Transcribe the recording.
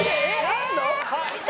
はい。